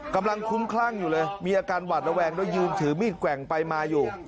กำลังคุ้มคลั่งอยู่เลยมีอาการหวัดระแวงด้วยยืนถือมีดแกว่งไปมาอยู่